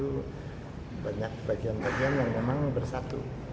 itu banyak bagian bagian yang memang bersatu